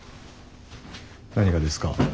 何がですか？